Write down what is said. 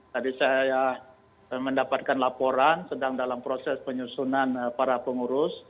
tadi saya mendapatkan laporan sedang dalam proses penyusunan para pengurus